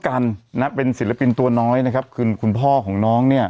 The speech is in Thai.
กันนะเป็นศิลปินตัวน้อยนะครับคือคุณพ่อของน้องเนี่ย